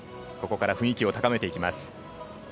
ここから雰囲気を高めていきます。